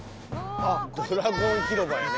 ドラゴン広場やね。